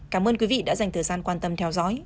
cảm ơn quý vị đã dành thời gian quan tâm theo dõi